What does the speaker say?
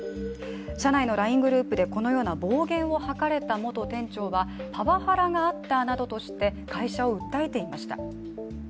社内のＬＩＮＥグループでこのように暴言を吐かれた元店長はパワハラがあったなどとして会社を訴えていました。